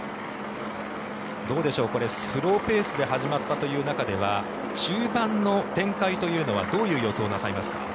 どうでしょう、スローペースで始まったという中では終盤の展開というのはどう予想されますか？